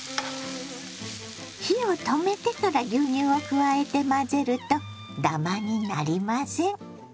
火を止めてから牛乳を加えて混ぜるとダマになりません。